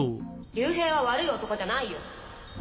隆平は悪い男じゃないよ。